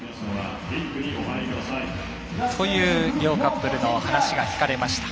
という、両カップルの話が聞かれました。